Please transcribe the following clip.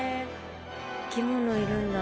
生き物いるんだ。